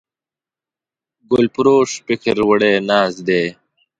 ګلفروش فکر وړی ناست دی